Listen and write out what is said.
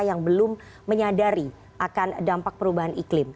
yang belum menyadari akan dampak perubahan iklim